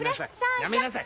やめなさい！